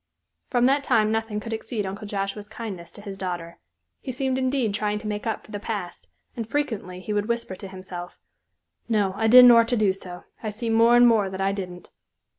From that time nothing could exceed Uncle Joshua's kindness to his daughter. He seemed indeed trying to make up for the past, and frequently he would whisper to himself, "No, I didn't or'to do so. I see more and more that I didn't."